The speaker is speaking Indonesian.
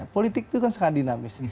politik itu kan sangat dinamis